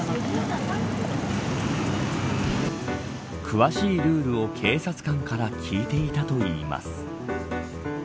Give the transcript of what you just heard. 詳しいルールを警察官から聞いていたといいます。